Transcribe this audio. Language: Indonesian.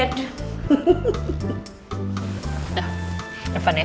udah nge fun ya